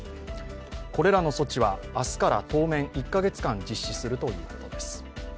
これらの措置は明日から当面、１カ月間、実施するるということです。